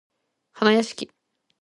はなやしき